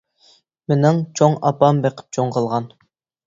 مېنىڭ چوڭ ئاپام بېقىپ چوڭ قىلغان.